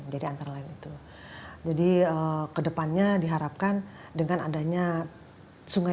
jadi kedepannya diharapkan dengan adanya sungai